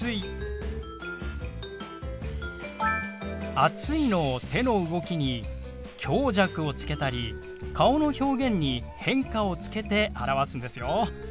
「暑い」の手の動きに強弱をつけたり顔の表現に変化をつけて表すんですよ。